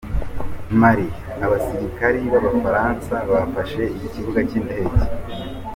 Mali Abasirikare b’Abafaransa bafashe ikibuga cy’indege